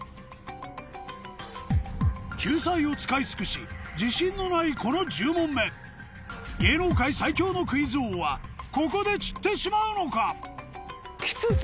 救済を使い尽くし自信のないこの１０問目芸能界最強のクイズ王はここで散ってしまうのか？